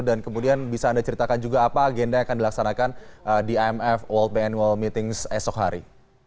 dan kemudian bisa anda ceritakan juga apa agenda yang akan dilaksanakan di imf world pay annual meetings esok hari